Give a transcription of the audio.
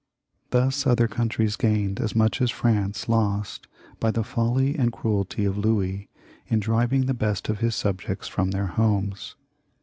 Thus other countries gained as much as France lost by the folly and cruelty of Louis in driving the best of his subjects from their homes.